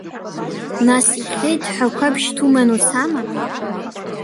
Нас, ихьеит ҳәа ақәабшьҭ уман уцама?